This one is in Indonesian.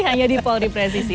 hanya di polri prezisi